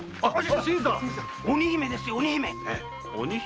新さん鬼姫ですよ鬼姫。